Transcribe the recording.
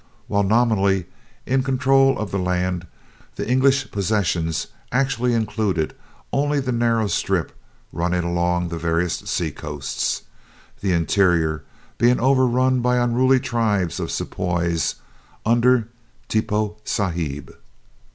While nominally in control of the land, the English possessions actually included only the narrow strip running along the various sea coasts; the interior being overrun by unruly tribes of Sepoys under Tippoo Sahib.